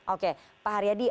oke pak haryadi